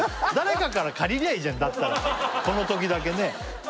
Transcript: このときだけね